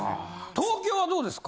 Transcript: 東京はどうですか？